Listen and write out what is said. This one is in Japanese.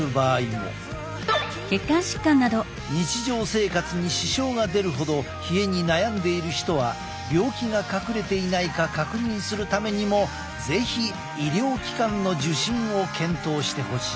日常生活に支障が出るほど冷えに悩んでいる人は病気が隠れていないか確認するためにも是非医療機関の受診を検討してほしい。